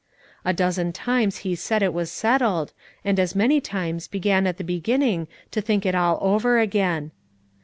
A dozen times he said it was settled, and as many times began at the beginning to think it all over again.